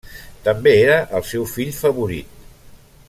També era el seu fill favorit.